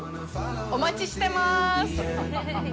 お待ちしてます！